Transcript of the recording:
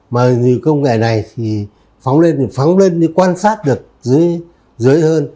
mà công nghệ này thì phóng lên thì phóng lên thì quan sát được dưới hơn